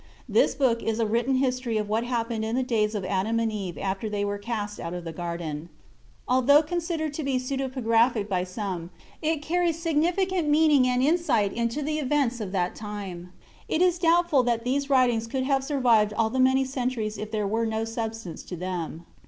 This book is a written history of what happened in the days of Adam and Eve after they were cast out of the garden. Although considered to be pseudepigraphic by some, it carries significant meaning and insight into events of that time. It is doubtful that these writings could have survived all the many centuries if there were no substance to them.